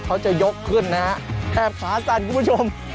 เขาจะยกขึ้นนะฮะแถบขาสั่นคุณผู้ชม